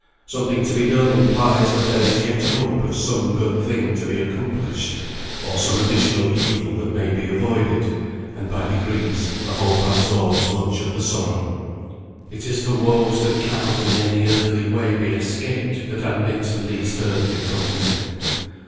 Something to be done implies that there is yet hope of some good thing to be accomplished, or some additional evil that may be avoided; and by degrees the hope absorbs much of the sorrow. It is the woes that cannot in any earthly way be escaped that admit least earthly comforting.